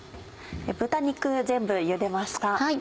豚肉全部茹でました。